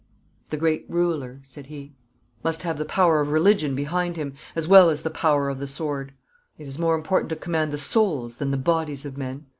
'The great ruler,' said he, 'must have the power of religion behind him as well as the power of the sword. It is more important to command the souls than the bodies of men.